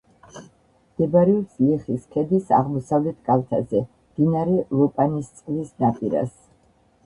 მდებარეობს ლიხის ქედის აღმოსავლეთ კალთაზე, მდინარე ლოპანისწყლის ნაპირას.